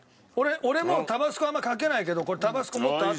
俺もタバスコあんまかけないけどこれタバスコもっとあってもいい。